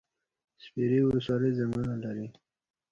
سپیرې ولسوالۍ ځنګلونه لري؟